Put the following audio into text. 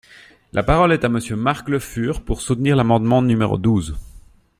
La parole est à Monsieur Marc Le Fur, pour soutenir l’amendement numéro douze.